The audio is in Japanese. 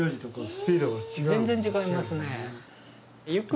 全然違いますね。